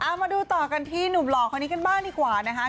เอามาดูต่อกันที่หนุ่มหล่อคนนี้กันบ้างดีกว่านะคะ